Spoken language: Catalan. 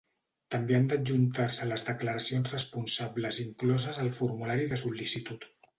També han d'adjuntar-se les declaracions responsables incloses al formulari de sol·licitud.